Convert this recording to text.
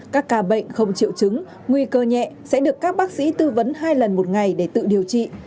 các ca bệnh không triệu chứng nguy cơ nhẹ sẽ được các bác sĩ tư vấn hai lần một ngày để tự điều trị